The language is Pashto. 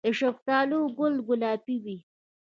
د شفتالو ګل ګلابي وي؟